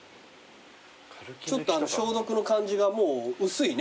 ちょっと消毒の感じがもう薄いね。